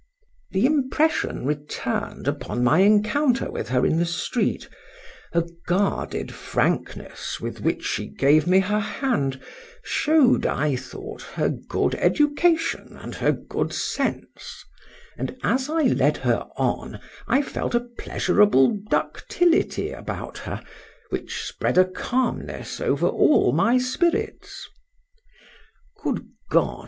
The impression returned upon my encounter with her in the street; a guarded frankness with which she gave me her hand, showed, I thought, her good education and her good sense; and as I led her on, I felt a pleasurable ductility about her, which spread a calmness over all my spirits— —Good God!